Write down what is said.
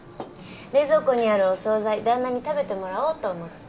冷蔵庫にあるお総菜旦那に食べてもらおうと思って。